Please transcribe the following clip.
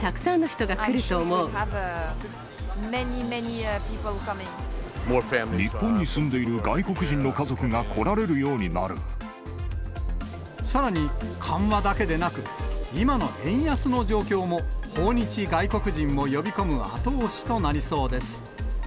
緩和がされたら、日本に住んでいる外国人の家さらに、緩和だけでなく、今の円安の状況も、訪日外国人を呼び込む後押しとなりそうです。